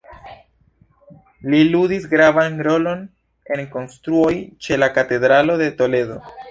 Li ludis gravan rolon en konstruoj ĉe la Katedralo de Toledo.